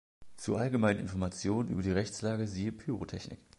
Zu allgemeinen Informationen über die Rechtslage siehe "Pyrotechnik".